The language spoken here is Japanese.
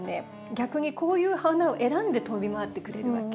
逆にこういう花を選んで飛び回ってくれるわけ。